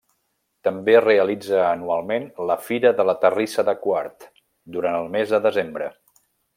També realitza anualment la Fira de la Terrissa de Quart, durant el mes de desembre.